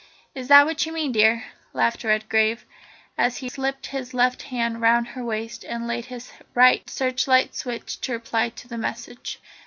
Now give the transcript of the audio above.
Is that what you mean, dear?" laughed Redgrave, as he slipped his left hand round her waist and laid his right on the searchlight switch to reply to the message.